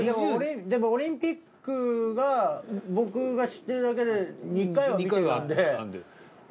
でもオリンピックが僕が知ってるだけで２回は観てたんで。